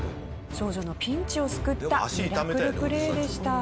少女のピンチを救ったミラクルプレーでした。